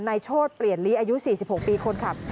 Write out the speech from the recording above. โชธเปลี่ยนลีอายุ๔๖ปีคนขับ